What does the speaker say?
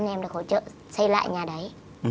em được hỗ trợ xây lại nhà đấy